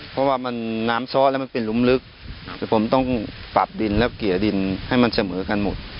เพราะว่ามันน้ำซ้อแล้วมันเป็นหลุมลึกแต่ผมต้องปรับดินแล้วเกลี่ยดินให้มันเสมอกันหมด